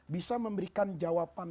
bisa memberikan jawaban